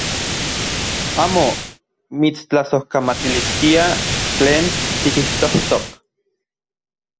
Amo mitstlasojkamatiliskia tlen tikijtojtok.